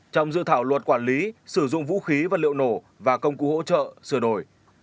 trong dự thảo luật quản lý sử dụng vũ khí vật liệu nổ và công cụ hỗ trợ sửa đổi